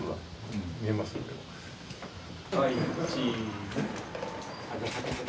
はい、チーズ。